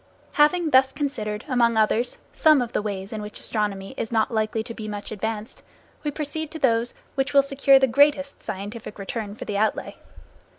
Having thus considered, among others, some of the ways in which astronomy is not likely to be much advanced, we proceed to those which will secure the greatest scientific return for the outlay.